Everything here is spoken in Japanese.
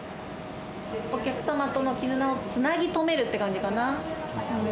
お客様との絆をつなぎとめるっていう感じかな。